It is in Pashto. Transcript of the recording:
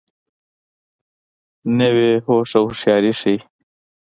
نوې هوښه هوښیاري ښیي